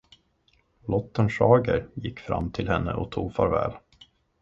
Lotten Schager gick fram till henne och tog farväl.